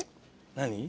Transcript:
何？